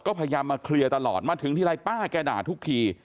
ก็พยายามมาเคลียร์ตลอดมาถึงทีไรป้าแกด่าทุกที